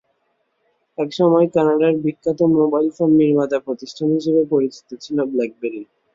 একসময় কানাডার বিখ্যাত মোবাইল ফোন নির্মাতা প্রতিষ্ঠান হিসেবে পরিচিত ছিল ব্ল্যাকবেরি।